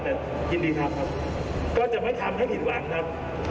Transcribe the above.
แต่ยินดีทำครับก็จะไม่ทำให้ผิดหวังครับ